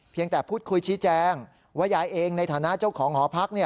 แต่พูดคุยชี้แจงว่ายายเองในฐานะเจ้าของหอพัก